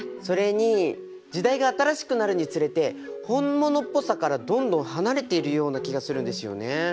それに時代が新しくなるにつれて本物っぽさからどんどん離れているような気がするんですよね。